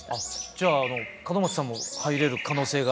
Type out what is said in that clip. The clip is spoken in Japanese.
じゃあ門松さんも入れる可能性が。